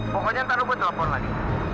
pokoknya ntar lu gue telepon lagi